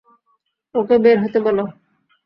ওকে বের হতে বলো।